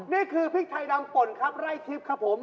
นี่คือพริกไทยดำป่นขับร่ายทิศครับผม